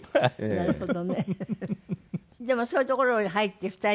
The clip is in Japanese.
なるほど。